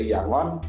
di kbri yangon